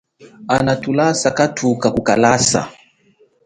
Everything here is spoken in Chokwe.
Ana thulasa hathuka kukalasa.